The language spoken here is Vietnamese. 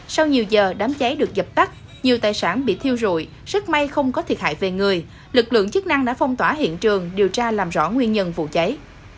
sau nhiều giờ đám cháy được dập tắt nhiều tài sản bị thiêu rụi rất may không có thiệt hại về người lực lượng chức năng đã phong tỏa hiện trường điều tra làm rõ nguyên nhân vụ cháy